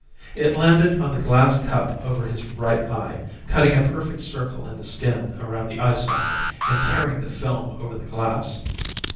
It landed on the glass cup over his right eye, cutting a perfect circle in the skin around the eyesocket, and tearing the film over the glass!